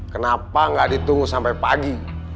kenapa nggak ditunggu sampai pagi